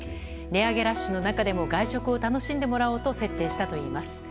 値上げラッシュの中でも外食を楽しんでもらおうと設定したといいます。